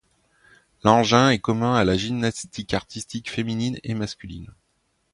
L'engin est commun à la gymnastique artistique féminine et masculine.